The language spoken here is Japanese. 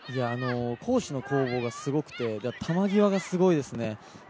攻守の攻防がすごくて、球際がすごいですね。